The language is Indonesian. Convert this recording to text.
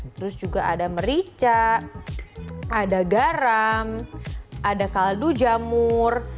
terus juga ada merica ada garam ada kaldu jamur